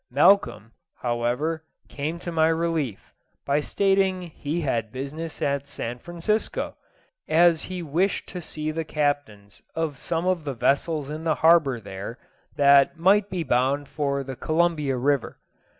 Malcolm, however, came to my relief, by stating he had business at San Francisco, as he wished to see the captains of some of the vessels in the harbour there that might be bound for the Columbia River.